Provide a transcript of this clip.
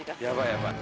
やばい！